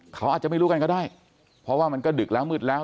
เขาอาจจะไม่รู้กันก็ได้เพราะว่ามันก็ดึกแล้วมืดแล้ว